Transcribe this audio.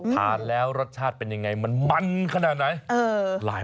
ทานแล้วรสชาติเป็นยังไงมันมันขนาดไหน